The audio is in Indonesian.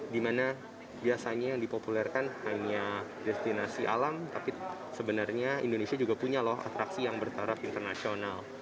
dimana biasanya yang dipopulerkan hanya destinasi alam tapi sebenarnya indonesia juga punya loh atraksi yang bertaraf internasional